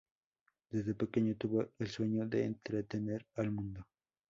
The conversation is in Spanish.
Desde pequeño tuvo el sueño de entretener al mundo.